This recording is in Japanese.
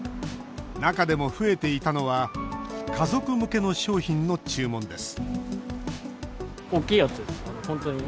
中でも増えていたのは家族向けの商品の注文です